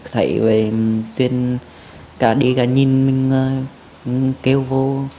thầy về tuyên cả đi cả nhìn mình kêu vô